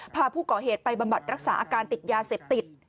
พาผู้ก่อเหตุไปบำบัดรักษาอาการติดยาเสพติด